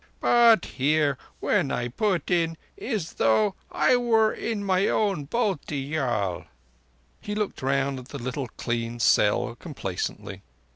But here, when I put in, is as though I were in my own Bhotiyal." He looked round the little clean cell complacently.